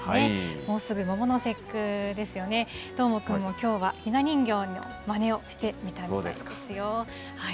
もうすぐ桃の節句ですよね、どーもくんも、きょうはひな人形のまねをしてみたんですよ。